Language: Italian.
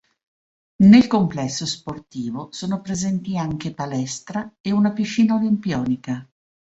Nel complesso sportivo sono presenti anche palestra e una piscina olimpionica.